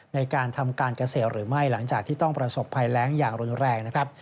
ในการทำการเกษตรหรือไม่หลังจากที่ต้องประสบภัยแรงอย่างรุนแรงนะครับ